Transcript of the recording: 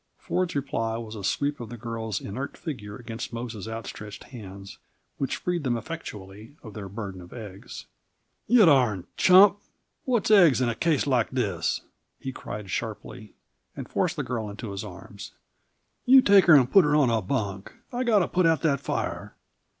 Ford's reply was a sweep of the girl's inert figure against Mose's outstretched hands, which freed them effectually of their burden of eggs. "You darned chump, what's eggs in a case like this?" he cried sharply, and forced the girl into his arms. "You take her and put her on a bunk. I've got to put out that fire!"